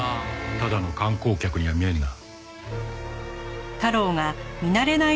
ただの観光客には見えんな。